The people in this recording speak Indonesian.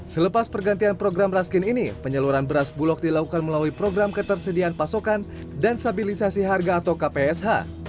selepas pergantian program raskin ini penyaluran beras bulog dilakukan melalui program ketersediaan pasokan dan stabilisasi harga atau kpsh